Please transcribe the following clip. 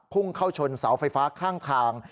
พุ่งเข้าชนเสาไฟฟ้าข้างทาง